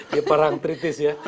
di parang tritis ya